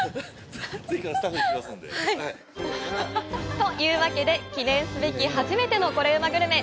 というわけで、記念すべき初めてのコレうまグルメ！